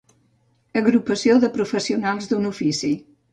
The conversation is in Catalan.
Agrupació de professionals d'un ofici.